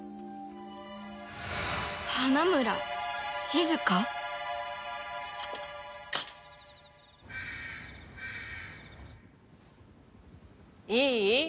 花村静香？いい？